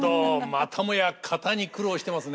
またもや型に苦労してますね。